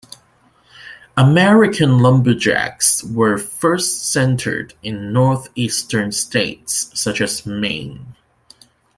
American lumberjacks were first centred in north-eastern states such as Maine.